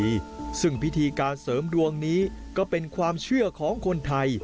พิธีซึ่งพิธีการเสริมดวงนี้ก็เป็นความเชื่อของคนไทย